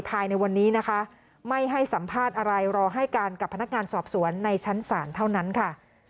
ภายในวันนี้นะคะไม่ให้สัมภาษณ์อะไรรอให้การกับพนักงานสอบสวนในชั้นศาลเท่านั้นค่ะ